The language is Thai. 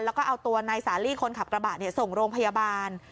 แล้วก็เอาตัวนายสาลีคนขับกระบะส่งโรงพยาบาล